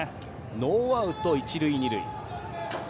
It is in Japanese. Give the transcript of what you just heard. ノーアウト、一塁二塁。